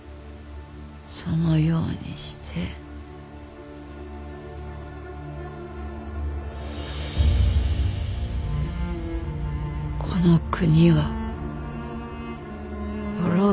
そのようにしてこの国は滅びるのじゃ。